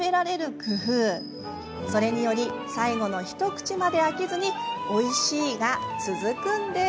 それにより最後の一口まで飽きずに「おいしい」が続くんです。